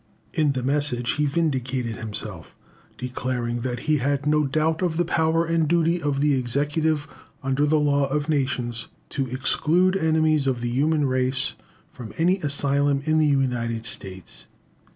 In the Message he vindicated himself, declaring that he had no doubt of the power and duty of the Executive under the law of nations to exclude enemies of the human race from an asylum in the United States.